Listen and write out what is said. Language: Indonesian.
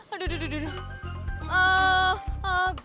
aduh aduh aduh